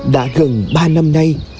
đã gần ba năm nay